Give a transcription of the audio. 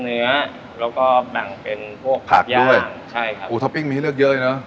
เนื้อแล้วก็แบ่งเป็นพวกผักด้วยใช่ครับปูท็อปปิ้งมีให้เลือกเยอะเนอะ